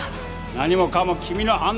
何もかも君の判断ミス！